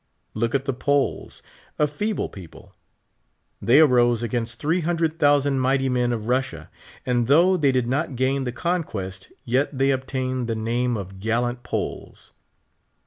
Look at the Poles, a feeble people. The}^ arose against three hundred thousand mighty men of Russia : and though they did not gain the conquest, yet they obtained the name of gallant Poles.